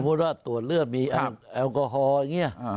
พูดว่าตรวจเลือดมีแอลกอฮอล์อย่างนี้